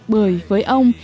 bởi với ông